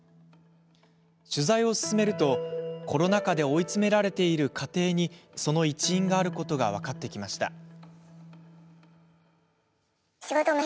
取材を進めると、コロナ禍で追い詰められている家庭にその一因があることが分かってきました。